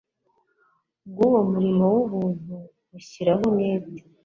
bw uwo murimo w ubuntu dushyiraho umwete